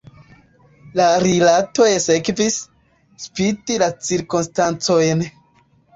La rilatoj sekvis, spite la cirkonstancojn.